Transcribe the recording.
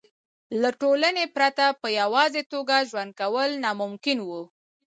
له ټولنې پرته په یوازې توګه ژوند کول ناممکن وو.